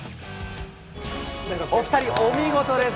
お２人、お見事です。